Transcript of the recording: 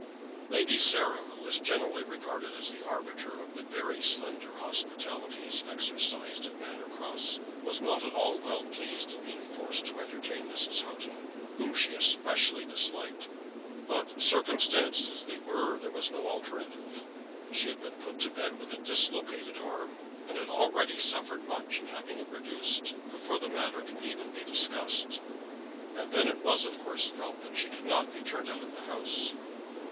Lady Sarah, who was generally regarded as the arbiter of the very slender hospitalities exercised at Manor Cross, was not at all well pleased at being forced to entertain Mrs. Houghton, whom she especially disliked; but, circumstanced as they were, there was no alternative. She had been put to bed with a dislocated arm, and had already suffered much in having it reduced, before the matter could be even discussed. And then it was of course felt that she could not be turned out of the house.